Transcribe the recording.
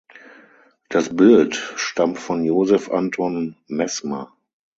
Das Bild stammt von Josef Anton Mesmer.